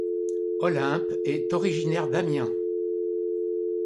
Olympe est originaire d'Amiens.